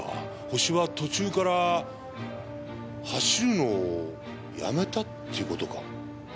ホシは途中から走るのをやめたって事か？